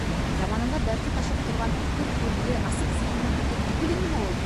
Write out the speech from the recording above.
Заманында дәрте ташып торған үткер күҙле, асыҡ зиһенле егет түгел инеме ул?